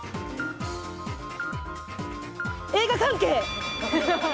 映画関係！